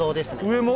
上も？